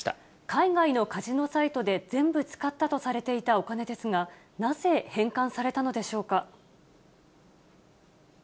海外のカジノサイトで全部使ったとされていたお金ですが、なぜ返還されたのでしょうか。